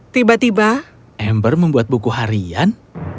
tiba tiba ember membuat buku harian